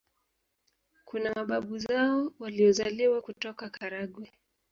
Kuna mababu zao waliozaliwa kutoka Karagwe